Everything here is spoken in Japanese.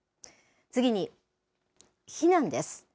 次に避難です。